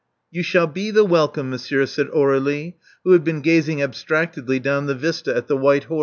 ''You shall be the welcome, monsieur," said Aur^lie, who had been gazing abstractedly down the vista at the white horse.